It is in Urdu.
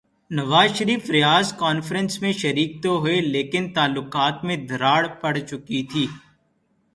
نواز شریف ریاض کانفرنس میں شریک تو ہوئے لیکن تعلقات میں دراڑ پڑ چکی تھی۔